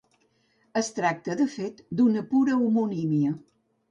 Es tracta de fet d'una pura homonímia.